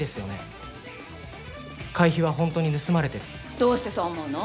どうしてそう思うの？